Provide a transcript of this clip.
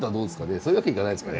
そういうわけにいかないですかね。